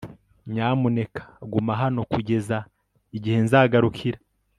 nyamuneka guma hano kugeza igihe nzagarukira